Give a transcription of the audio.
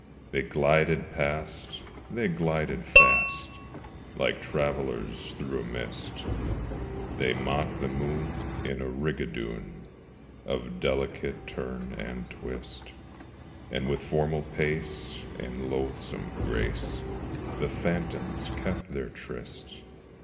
They glided past, they glided fast, Like travellers through a mist: They mocked the moon in a rigadoon Of delicate turn and twist, And with formal pace and loathsome grace The phantoms kept their tryst.